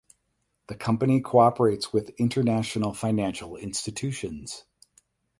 The company cooperates with international financial institutions.